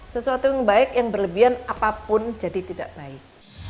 sesuatu yang baik yang berlebihan apapun jadi tidak baik